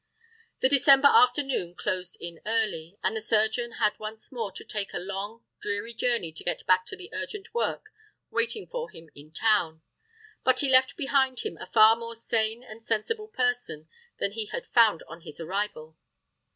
The December afternoon closed in early, and the surgeon had once more to take a long, dreary journey to get back to the urgent work waiting for him in town. But he left behind him a far more sane and sensible person than he had found on his arrival.